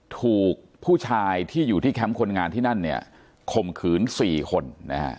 ถูกผู้ชายที่อยู่ที่แคมป์คนงานที่นั่นเนี่ยข่มขืน๔คนนะฮะ